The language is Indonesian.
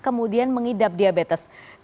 kemudian mengidap diabetes